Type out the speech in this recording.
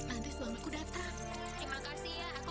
aku nunggu sini capek tau